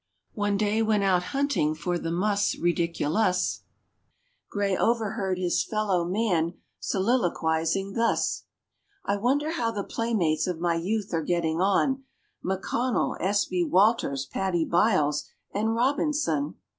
One day when out hunting for the mus ridiculus, GRAY overheard his fellow man soliloquising thus: "I wonder how the playmates of my youth are getting on, MCCONNELL, S. B. WALTERS, PADDY BYLES, and ROBINSON?"